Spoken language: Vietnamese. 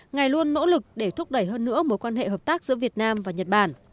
ngày luôn nỗ lực để thúc đẩy hơn nữa mối quan hệ hợp tác giữa việt nam và nhật bản